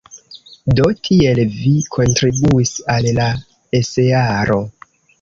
Do, tiel vi kontribuis al la esearo!